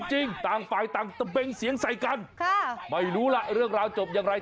จริงต่างฝ่ายต่างตะเบงเสียงใส่กันไม่รู้ล่ะเรื่องราวจบอย่างไร